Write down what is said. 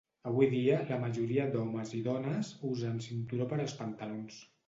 Avui dia, la majoria d'homes i dones usen cinturó per als pantalons.